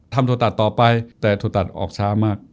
ทำถั่วตัดต่อไปแต่ถั่วตัดออกช้ามาก